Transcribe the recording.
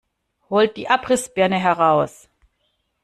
Holt die Abrissbirne heraus!